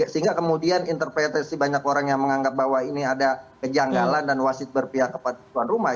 sehingga kemudian interpretasi banyak orang yang menganggap bahwa ini ada kejanggalan dan wasit berpihak kepada tuan rumah